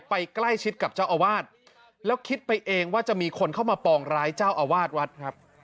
ใกล้ชิดกับเจ้าอาวาสแล้วคิดไปเองว่าจะมีคนเข้ามาปองร้ายเจ้าอาวาสวัดครับ